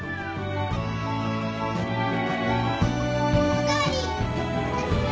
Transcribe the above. お代わり！